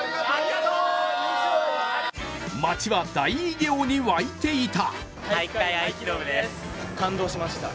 街は大偉業に沸いていた。